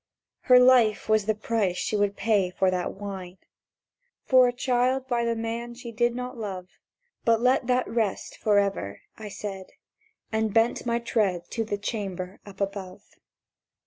Her life was the price she would pay for that whine— For a child by the man she did not love. "But let that rest for ever," I said, And bent my tread To the chamber up above.